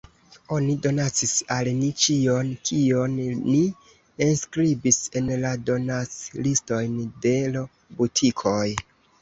Oni donacis al ni ĉion, kion ni enskribis en la donaclistojn de l’ butikoj.